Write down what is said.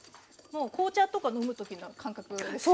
もう紅茶とか飲む時の感覚ですよね。